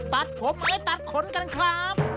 ตัดผมเลยตัดขนกันครับ